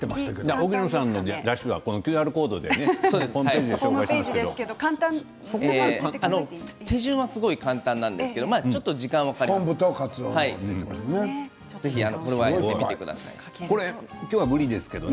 荻野さんのだしはＱＲコードでホームページで手順は、すごく簡単なんですけど、ちょっと時間はかかりますからね。